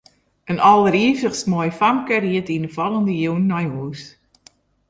In alderivichst moai famke ried yn 'e fallende jûn nei hûs.